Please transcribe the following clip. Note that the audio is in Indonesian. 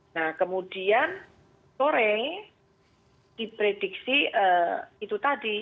nah kemudian sore diprediksi itu tadi